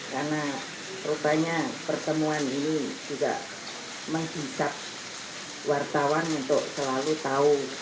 karena rupanya pertemuan ini juga menghisap wartawan untuk selalu tahu